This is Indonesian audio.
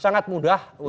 sangat mudah untuk